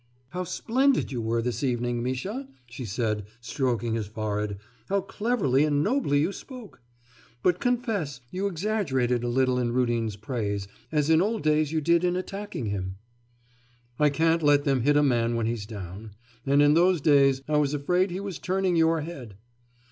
'How splendid you were this evening, Misha,' she said, stroking his forehead, 'how cleverly and nobly you spoke! But confess, you exaggerated a little in Rudin's praise, as in old days you did in attacking him.' 'I can't let them hit a man when he's down. And in those days I was afraid he was turning your head.